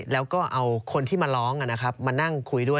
แล้วก็เอาคนที่มาร้องมานั่งคุยด้วย